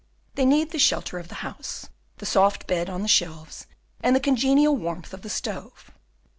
They need the shelter of the house, the soft bed on the shelves, and the congenial warmth of the stove.